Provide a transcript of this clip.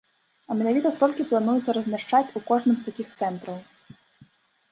А менавіта столькі плануецца размяшчаць у кожным з такіх цэнтраў.